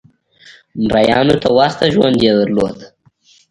مریانو ته ورته ژوند یې درلود.